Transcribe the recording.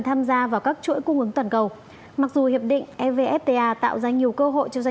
tham gia vào các chuỗi cung ứng toàn cầu mặc dù hiệp định evfta tạo ra nhiều cơ hội cho doanh